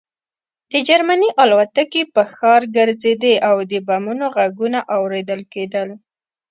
د جرمني الوتکې په ښار ګرځېدې او د بمونو غږونه اورېدل کېدل